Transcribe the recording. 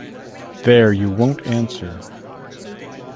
There, you won’t answer.